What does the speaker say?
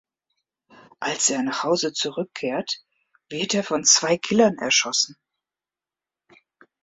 Als er nach Hause zurückkehrt, wird er von zwei Killern erschossen.